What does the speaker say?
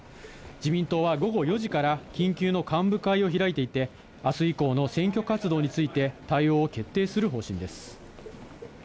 自民党は午後４時から緊急の幹部会を開いていて、あす以降の選挙活動について、対応を決定する方針です。